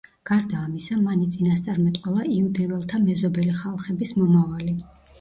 გარდა ამისა, მან იწინასწარმეტყველა იუდეველთა მეზობელი ხალხების მომავალი.